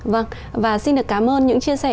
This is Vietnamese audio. vâng và xin được cảm ơn những chia sẻ